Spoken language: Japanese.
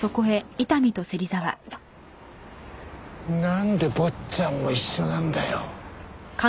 なんで坊ちゃんも一緒なんだよ。